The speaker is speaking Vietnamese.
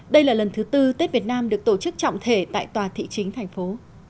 đây là lần thứ tư tết việt nam được tổ chức trọng thể tại tòa thị chính thành phố